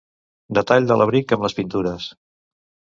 Detall de l'abric amb les pintures.